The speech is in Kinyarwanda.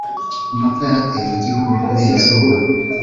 Amapfa yarateye mugihugu kubera izuba